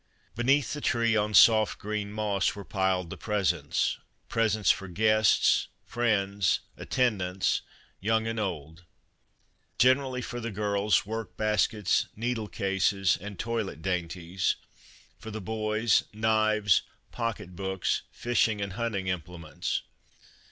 Beneath the tree on soft green moss were piled the presents — presents for guests, friends, attendants, young and old ; generally for the girls, work baskets, needle cases and toilet dainties ; for the boys, knives, pocket books, fishing and hunting implements.